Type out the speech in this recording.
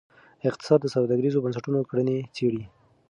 اقتصاد د سوداګریزو بنسټونو کړنې څیړي.